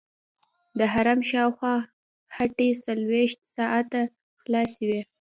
د حرم شاوخوا هټۍ څلورویشت ساعته خلاصې وي.